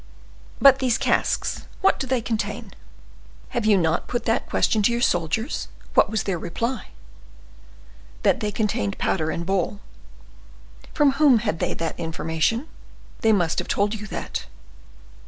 "But these casks, what do they contain?" "Have you not put that question to your soldiers? What was their reply?" "That they contained powder and ball." "From whom had they that information? They must have told you that."